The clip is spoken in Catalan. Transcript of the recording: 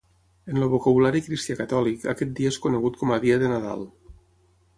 En el vocabulari cristià catòlic, aquest dia és conegut com a Dia de Nadal.